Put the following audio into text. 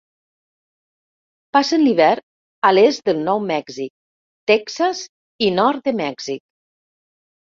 Passen l'hivern a l'est de Nou Mèxic, Texas i nord de Mèxic.